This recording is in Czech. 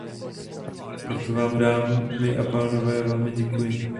Proto vám, dámy a pánové, velmi děkuji.